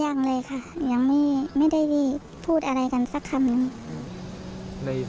ยังเลยค่ะยังไม่ได้พูดอะไรกันสักคำนึง